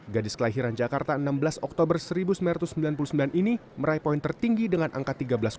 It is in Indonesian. gadis kelahiran jakarta enam belas oktober seribu sembilan ratus sembilan puluh sembilan ini meraih poin tertinggi dengan angka tiga belas empat puluh